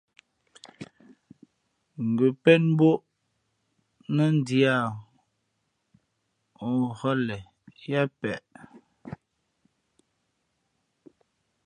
Ngα̌ pén mbᾱʼ ó nά ndhī ā ǒ hά le yáá peʼ.